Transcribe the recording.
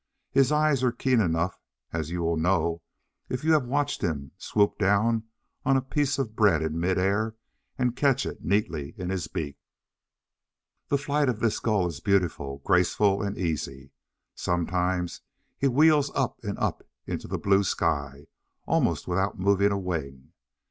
His eyes are keen enough, as you will know if you have watched him swoop down on a piece of bread in mid air, and catch it neatly in his beak. The flight of this Gull is beautiful, graceful, and easy. Sometimes he wheels up and up into the blue sky, almost without moving a wing.